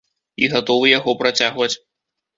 І гатовы яго працягваць.